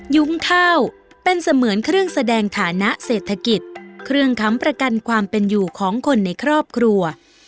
ยุ้งข้าวเป็นเสมือนเครื่องแสดงฐานะเศรษฐกิจเครื่องค้ำประกันความเป็นอยู่ของคนในครอบครัว